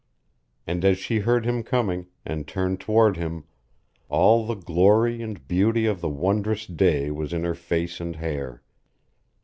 And as she heard him coming, and turned toward him, all the glory and beauty of the wondrous day was in her face and hair.